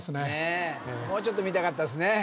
もうちょっと見たかったですね